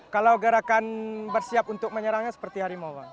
kalau gerakan bersiap untuk menyerangnya seperti harimau bang